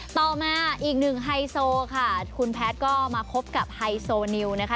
ต่อมาอีกหนึ่งไฮโซค่ะคุณแพทย์ก็มาคบกับไฮโซนิวนะคะ